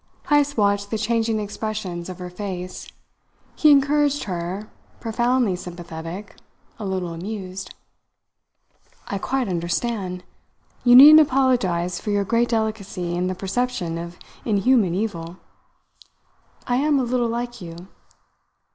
Heyst watched the changing expressions of her face. He encouraged her, profoundly sympathetic, a little amused. "I quite understand. You needn't apologize for your great delicacy in the perception of inhuman evil. I am a little like you."